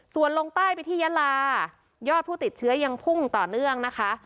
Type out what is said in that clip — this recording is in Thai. ส่วนลงใต้ไปที่ยาลายอดผู้ติดเชื้อยังพุ่งต่อเนื่องนะคะ